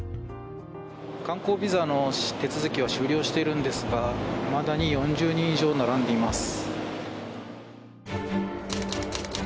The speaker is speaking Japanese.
観光ビザの手続きは終了しているんですがいまだに４０人以上並んでいます。